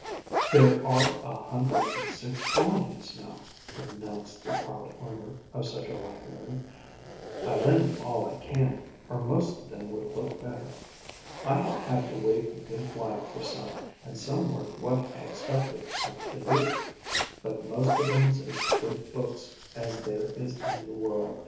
"There are a hundred and six volumes now," announced the proud owner of such a library. "I lend 'em all I can, or most of them would look better. I have had to wait a good while for some, and some weren't what I expected 'em to be, but most of 'em's as good books as there is in the world.